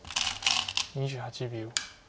２８秒。